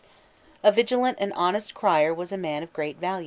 A vigilant and honest crier was a man of great value.